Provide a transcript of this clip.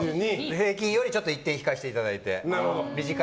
平均より１点引かせていただいて。